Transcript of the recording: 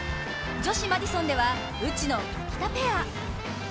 女子マディソンでは内野・垣田ペア。